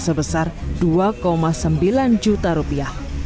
sebesar dua sembilan juta rupiah